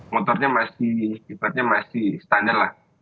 motornya masih ibaratnya masih standar lah